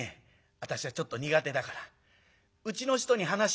私はちょっと苦手だからうちの人に話をしてもいいかい？